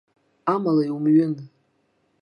Амала иумҩын.